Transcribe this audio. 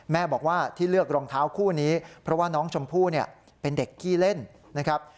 แม่บอกว่าที่เลือกรองเท้าคู่นี้เพราะว่าน้องชมพู่เนี่ยเป็นเด็กขี้เล่นนะครับ